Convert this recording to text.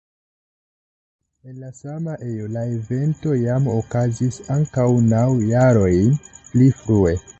En la sama ejo la evento jam okazis ankaŭ naŭ jarojn pli frue.